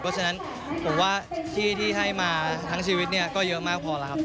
เพราะฉะนั้นผมว่าที่ที่ให้มาทั้งชีวิตเนี่ยก็เยอะมากพอแล้วครับ